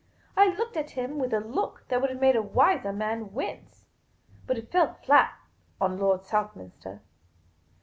I looked at him with a look that would have made a wiser man wince. But it fell flat on Lord Southminster.